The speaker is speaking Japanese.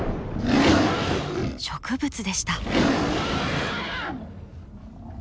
植物でした。